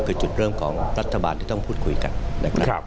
คือจุดเริ่มของรัฐบาลที่ต้องพูดคุยกันนะครับ